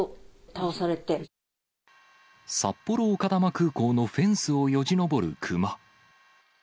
札幌丘珠空港のフェンスをよじ登るクマ。